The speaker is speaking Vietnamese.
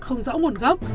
không rõ nguồn gốc